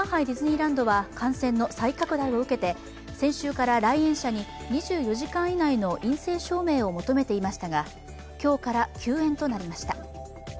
ディズニーランドは感染の再拡大を受けて、先週から来園者に２４時間以内の陰性証明を求めていましたが今日から休園となりました。